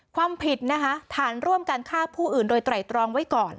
ความผิดนะคะฐานร่วมกันฆ่าผู้อื่นโดยไตรตรองไว้ก่อน